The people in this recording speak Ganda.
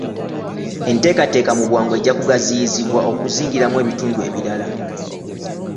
Enteekateeka mu bwangu ejja kugaziyizibwa okuzingiramu ebitundu ebirala.